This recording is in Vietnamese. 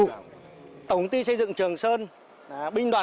tổng công ty xây dựng trường sơn binh đoàn một mươi hai bộ quốc phòng là đơn vị